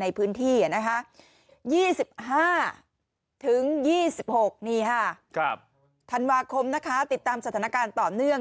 ในพื้นที่๒๕๒๖นี่ค่ะธันวาคมติดตามสถานการณ์ต่อเนื่อง